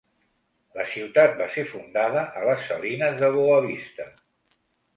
La ciutat va ser fundada a les salines de Boa Vista.